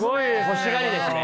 欲しがりですね。